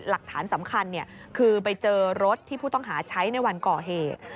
หลักฐานสำคัญคือไปเจอรถที่ผู้ต้องหาใช้ในวันก่อเหตุ